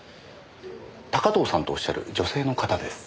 高塔さんとおっしゃる女性の方です。